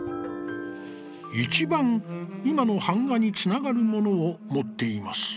一番今の板画につながるものをもっています」。